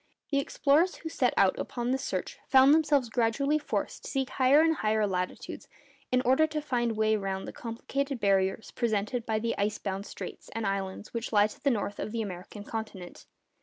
The explorers who set out upon this search found themselves gradually forced to seek higher and higher latitudes in order to find a way round the complicated barriers presented by the ice bound straits and islands which lie to the north of the American continent.